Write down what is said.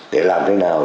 để làm thế nào